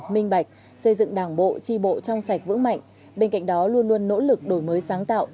minh bạch xây dựng đảng bộ tri bộ trong sạch vững mạnh bên cạnh đó luôn luôn nỗ lực đổi mới sáng tạo